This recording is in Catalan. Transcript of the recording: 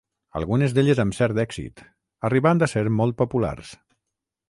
Algunes d'elles amb cert èxit, arribant a ser molt populars.